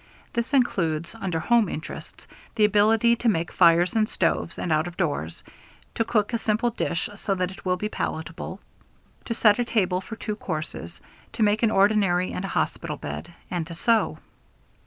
This includes, under home interests, the ability to make fires in stoves and out of doors, to cook a simple dish so that it will be palatable, to set a table for two courses, to make an ordinary and a hospital bed, and to sew.